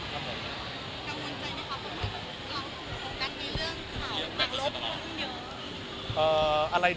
กังวลใจไหมครับว่าเราก็มีเรื่องข่าวมารบอยู่